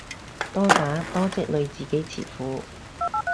多打多積累自己詞庫